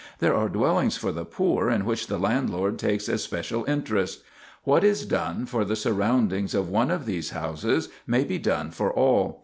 These are dwellings for the poor in which the landlord takes especial interest. What is done for the surroundings of one of these houses, may be done for all.